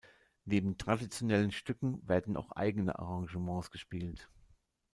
Neben traditionellen Stücken werden auch eigene Arrangements gespielt.